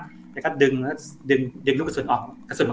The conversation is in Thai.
เดี๋ยวก็ดึงดึงดึงลูกกระสุนออกกระสุนมันก็ทายปอกออกมาทุกนัก